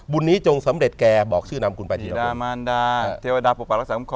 บุญนี้จงสำเร็จแกบอกชื่อนำคุณไปที่ละคร